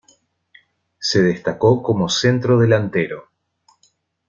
Se destacó como centrodelantero.